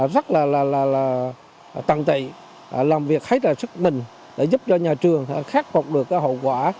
rất là tận tị làm việc hết sức mình để giúp cho nhà trường khắc phục được hậu quả